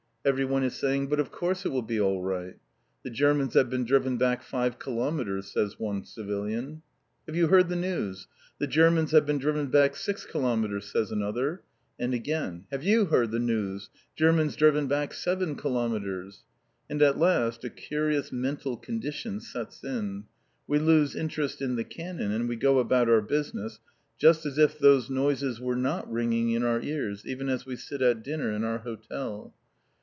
Everyone is saying, "But of course it will be all right!" "The Germans have been driven back five kilometres," says one civilian. "Have you heard the news? The Germans have been driven back six kilometres!" says another. And again: "Have you heard the good news? Germans driven back seven kilometres!" And at last a curious mental condition sets in. We lose interest in the cannon, and we go about our business, just as if those noises were not ringing in our ears, even as we sit at dinner in our hotel.